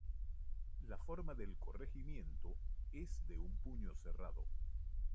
La forma del corregimiento es de un puño cerrado.